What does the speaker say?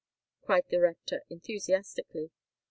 cried the rector, enthusiastically.